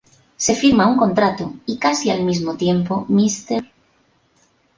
Se firma un contrato y casi al mismo tiempo, Mr.